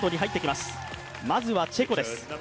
まずは、チェコです。